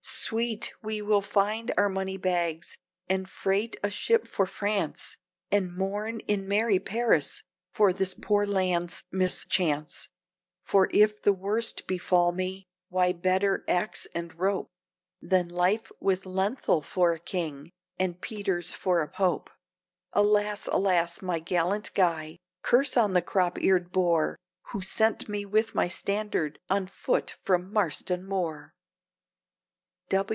"Sweet! we will fill our money bags, and freight a ship for France, And mourn in merry Paris for this poor land's mischance: For if the worst befall me, why, better axe and rope, Than life with Lenthal for a king, and Peters for a pope! Alas! alas! my gallant Guy! curse on the crop eared boor, Who sent me with my standard, on foot from Marston Moor!"